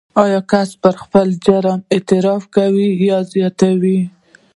یاد کس پر خپل جرم اعتراف کوي او زیاتوي